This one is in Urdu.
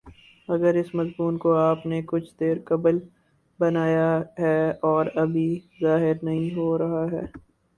اگر اس مضمون کو آپ نے کچھ دیر قبل بنایا ہے اور ابھی ظاہر نہیں ہو رہا ہے